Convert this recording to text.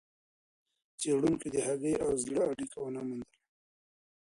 څېړونکو د هګۍ او زړه اړیکه ونه موندله.